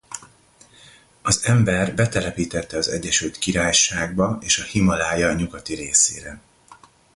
Az ember betelepítette az Egyesült Királyságba és a Himalája nyugati részére.